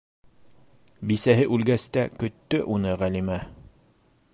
Бисәһе үлгәс тә көттө уны Ғәлимә.